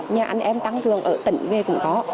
nhưng anh em tăng thường ở tỉnh về cũng có